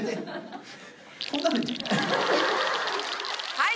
はい！